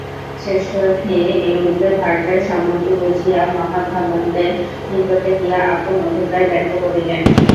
শ্রেষ্ঠী এই রূপে ভার্যার সম্মতি বুঝিয়া মহাধননন্দনের নিকটে গিয়া আপন অভিপ্রায় ব্যক্ত করিলেন।